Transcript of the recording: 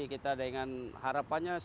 kita dengan harapannya